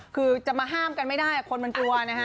คือจะมาห้ามกันไม่ได้คนมันกลัวนะฮะ